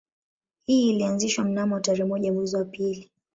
Hii ilianzishwa mnamo tarehe moja mwezi wa pili